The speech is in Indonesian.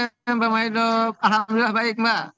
halo selamat sore mbak maido alhamdulillah baik mbak